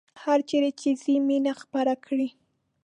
هرچیرې چې ځئ مینه خپره کړئ